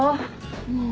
もう。